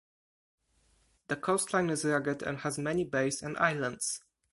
The coastline is rugged and has many bays and islands.